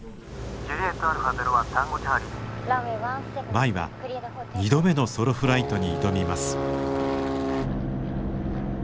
舞は２度目のソロフライトに挑みます。